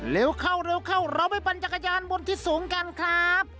เร็วเข้าเร็วเข้าเราไปปั่นจักรยานบนที่สูงกันครับ